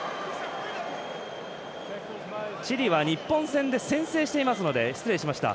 チリは日本戦で先制していますので失礼しました。